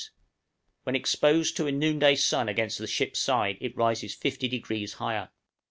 When exposed to a noonday sun against the ship's side it rises 50° higher.